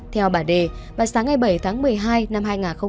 theo bà đê vào sáng ngày bảy tháng một mươi hai năm hai nghìn hai mươi ba